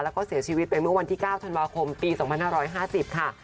แล้วก็เสียชีวิตไปเมื่อวันที่๙ธันวาคมปี๒๕๕๐ค่ะ